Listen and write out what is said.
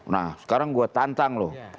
nah sekarang gue tantang loh